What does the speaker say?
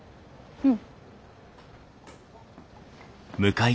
うん。